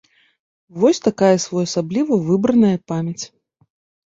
Вось такая своеасабліва выбраная памяць.